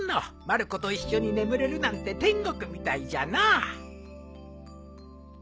まる子と一緒に眠れるなんて天国みたいじゃのう。